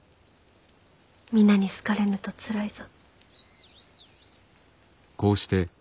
皆に好かれぬとつらいぞ。